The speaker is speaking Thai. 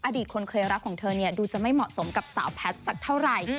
อดีตคนเคยรักของเธอเนี่ยดูจะไม่เหมาะสมกับสาวแพทย์สักเท่าไหร่